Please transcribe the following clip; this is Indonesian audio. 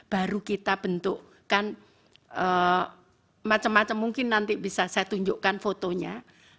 baru kita bentukkan macam macam mungkin nanti bisa saya tunjukkan fotonya